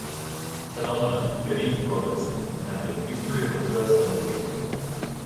"Phenomenon: Betty Robinson and the Victory of the First Olympic Women".